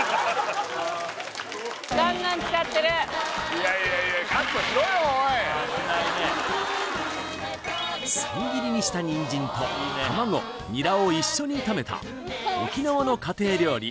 いやいやいや千切りにした人参と卵ニラを一緒に炒めた沖縄の家庭料理